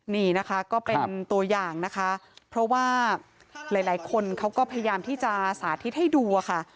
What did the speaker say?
นี่นะคะก็เป็นตัวอย่างนะคะเพราะว่าหลายคนเขาก็พยายามที่จะสาธิตให้ดูอะค่ะ